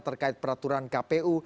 terkait peraturan kpu